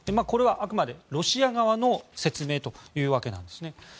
これはあくまでロシア側の説明というわけなんですね。